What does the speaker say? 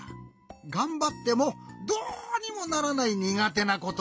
がんばってもどうにもならないにがてなことがあるということ。